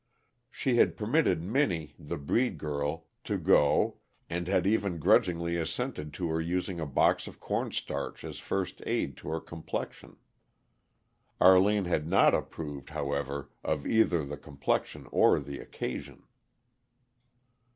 She had permitted Minnie, the "breed" girl, to go, and had even grudgingly consented to her using a box of cornstarch as first aid to her complexion. Arline had not approved, however, of either the complexion or the occasion.